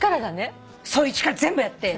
そう一から全部やって。